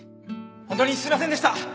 ホントにすいませんでした